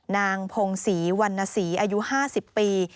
นางพงศรีวันนสีอายุ๕๐ปี